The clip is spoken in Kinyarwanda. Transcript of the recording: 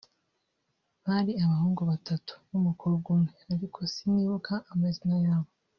bari abahungu batatu n’umukobwa umwe ariko sinibuka amazina yabo